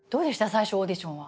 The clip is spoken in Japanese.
最初オーディションは。